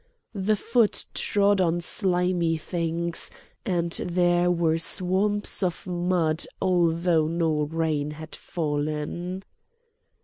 The foot trod on slimy things, and there were swamps of mud although no rain had fallen.